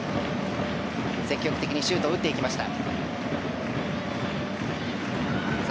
積極的にシュートを打っていきました。